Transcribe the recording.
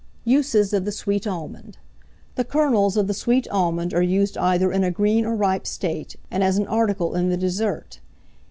USES OF THE SWEET ALMOND. The kernels of the sweet almond are used either in a green or ripe state, and as an article in the dessert.